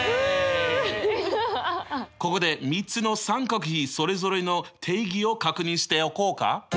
ここで３つの三角比それぞれの定義を確認しておこうか。